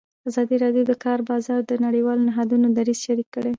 ازادي راډیو د د کار بازار د نړیوالو نهادونو دریځ شریک کړی.